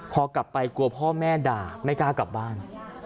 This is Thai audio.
พอกลับไปกลัวพ่อแม่ด่าไม่กล้ากลับบ้าน